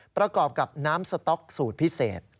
ประกอบกับน้ำสต๊อกสูตรพิเศษ